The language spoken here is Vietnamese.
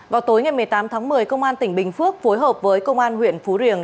vào tối ngày một mươi tám tháng một mươi công an tỉnh bình phước phối hợp với công an huyện phú riềng